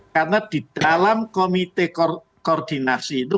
karena di dalam komite koordinasi itu